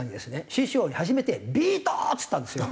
師匠に初めて「ビート！」っつったんですよ。